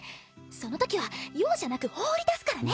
そのときは容赦なく放り出すからね。